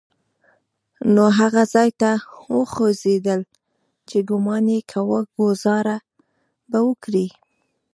نو هغه ځای ته وخوځېدل چې ګومان يې کاوه ګوزاره به وکړي.